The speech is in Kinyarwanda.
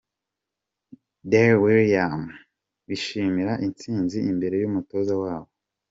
Dyer and Williams bishimira intsinzi imbere y’umutoza wabo.